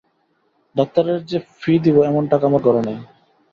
ডাক্তারের যে ফি দিব এমন টাকা আমার ঘরে নাই।